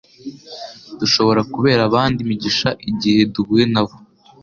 Dushobora kubera abandi imigisha igihe duhuye nabo.